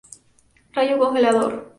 Rayo congelador.